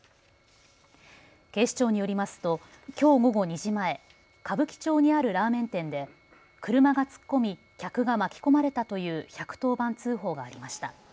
警視庁によりますときょう午後２時前、歌舞伎町にあるラーメン店で車が突っ込み客が巻き込まれたという１１０番通報がありました。